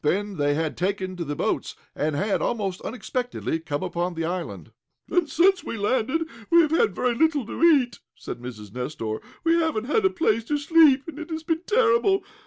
Then they had taken to the boats, and had, most unexpectedly come upon the island. "And since we landed we have had very little to eat," said Mrs. Nestor. "We haven't had a place to sleep, and it has been terrible.